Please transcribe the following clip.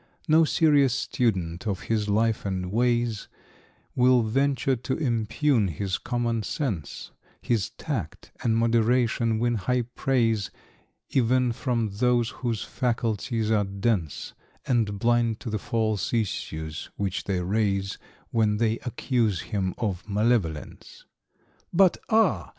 = No serious student of his life and ways `Will venture to impugn his common sense; His tact and moderation win high praise `Even from those whose faculties are dense And blind to the false issues which they raise `When they accuse him of malevolence.= "But, ah!"